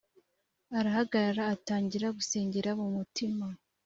arahagarara atangira gusengera mu mutima